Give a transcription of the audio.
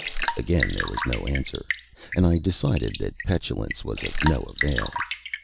Again there was no answer, and I decided that petulance was of no avail.